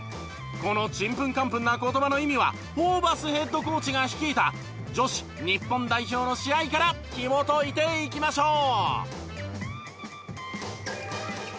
このちんぷんかんぷんな言葉の意味はホーバスヘッドコーチが率いた女子日本代表の試合からひもといていきましょう。